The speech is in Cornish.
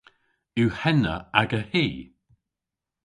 Yw henna aga hi?